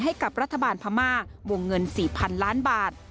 ให้กับรัฐบาลพม่าวงเงิน๔๐๐๐ล้านบาท